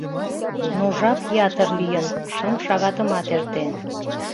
— Но жап ятыр лийын, шым шагатымат эртен.